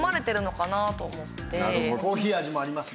コーヒー味もあります。